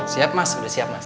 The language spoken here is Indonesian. siap mas sudah siap mas